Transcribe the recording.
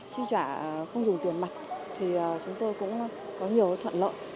chi trả không dùng tiền mặt thì chúng tôi cũng có nhiều thuận lợi